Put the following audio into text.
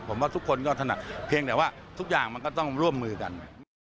ผมว่าทุกคนก็ถนัดเพียงแต่ว่าทุกอย่างมันก็ต้องร่วมมือกัน